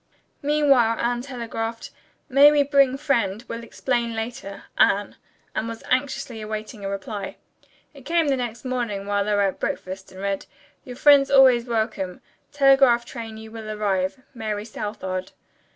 Meanwhile Anne telegraphed, "May we bring friend? Will explain later. Anne," and was anxiously awaiting a reply. It came the next morning while they were at breakfast and read: "Your friends always welcome. Telegraph train you will arrive. Mary Southard."